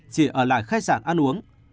chỉ ở lại khách sạn ăn uống